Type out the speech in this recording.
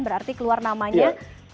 berarti keluar namanya